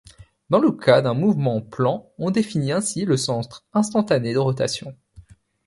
Dans le cas d'un mouvement plan, on définit ainsi le centre instantané de rotation.